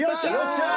よっしゃ。